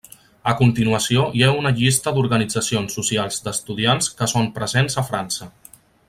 A continuació hi ha una llista d'organitzacions socials d'estudiants que són presents a França.